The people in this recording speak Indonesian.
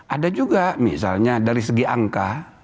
ada juga misalnya dari segi angka